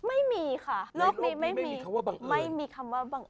ไม่มีค่ะโลกนี้ไม่มีคำว่าบังเอิญ